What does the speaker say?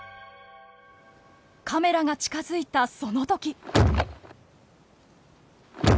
カメラが近づいたその時。